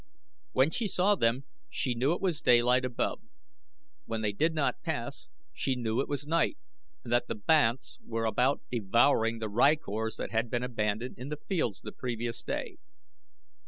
When she saw them she knew that it was daylight above. When they did not pass she knew it was night, and that the banths were about devouring the rykors that had been abandoned in the fields the previous day.